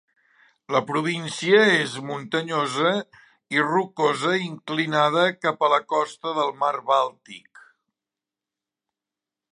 La província és muntanyosa i rocosa, inclinada cap a la costa del mar Bàltic.